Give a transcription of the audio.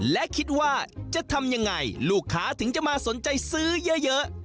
และคิดว่าจะทำยังไงลูกค้าถึงจะมาสนใจซื้อเยอะ